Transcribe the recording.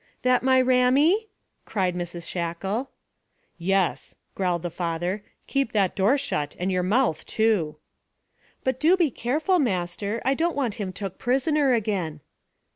"That my Rammy?" cried Mrs Shackle. "Yes," growled the farmer; "keep that door shut and your mouth too." "But do be careful, master. I don't want him took prisoner again."